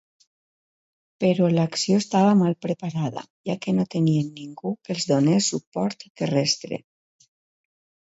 Però l'acció estava mal preparada, ja que no tenien ningú que els donés suport terrestre.